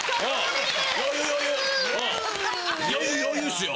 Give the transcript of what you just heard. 余裕余裕っすよ！